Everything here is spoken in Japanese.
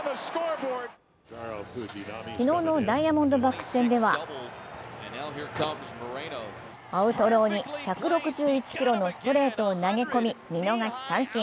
昨日のダイヤモンドバックス戦ではアウトローに１６１キロのストレートを投げ込み見逃し三振。